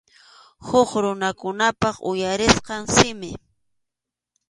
Huk runakunapa uyarisqan simi.